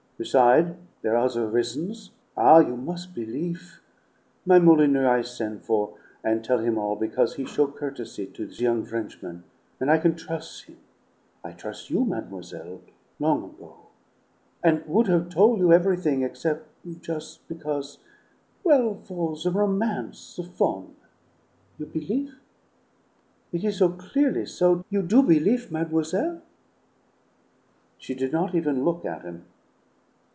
Beside', there are other rizzons. Ah, you mus' belief! My Molyneux I sen' for, and tell him all, because he show courtesy to the yo'ng Frenchman, and I can trus' him. I trus' you, mademoiselle long ago and would have tol' you ev'rything, excep' jus' because well, for the romance, the fon! You belief? It is so clearly so; you do belief, mademoiselle?" She did not even look at him.